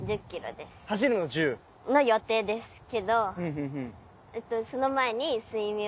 走るの１０。の予定ですけど。